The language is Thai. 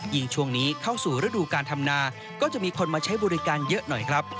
ช่วงนี้เข้าสู่ฤดูการทำนาก็จะมีคนมาใช้บริการเยอะหน่อยครับ